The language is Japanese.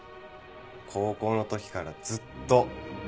高校の時からずっと。